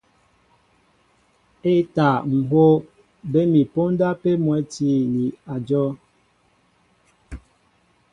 E᷇ taa, ŋ̀ hów, bé mi póndá pē mwɛ́ti ni ajow.